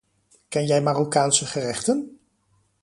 Ken jij Marokkaanse gerechten?